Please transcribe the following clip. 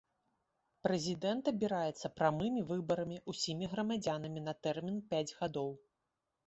Прэзідэнт абіраецца прамымі выбарамі ўсімі грамадзянамі на тэрмін пяць гадоў.